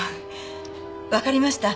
わかりました。